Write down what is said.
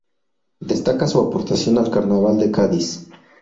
Destaca su aportación al Carnaval de Cádiz.